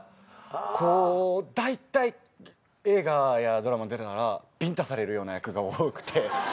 だいたい映画やドラマ出るならビンタされるような役が多くて。